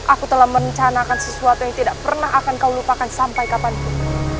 aku telah merencanakan sesuatu yang tidak pernah akan kau lupakan sampai kapanpun